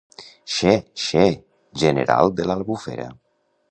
Xe, xe, general de l'Albufera.